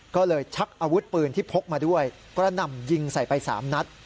ก็เลยชักอาวุธปืนที่พกมาด้วยกระหน่ำยิงใส่ไป๓นัด